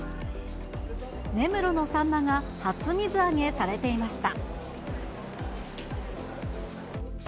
根室のサンマが初水揚げされていました。